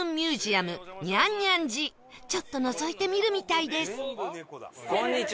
猫猫寺ちょっとのぞいてみるみたいです